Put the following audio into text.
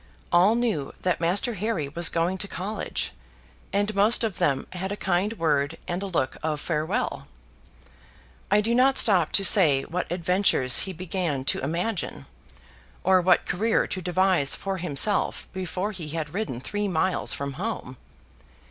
All knew that Master Harry was going to college, and most of them had a kind word and a look of farewell. I do not stop to say what adventures he began to imagine, or what career to devise for himself before he had ridden three miles from home.